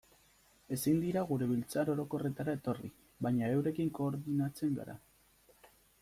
Ezin dira gure biltzar orokorretara etorri, baina eurekin koordinatzen gara.